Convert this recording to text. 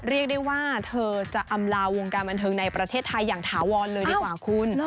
เรียกได้ว่าเธอจะอำลาวงการบันเทิงในประเทศไทยอย่างถาวรเลยดีกว่าคุณ